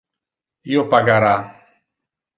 Io pagara.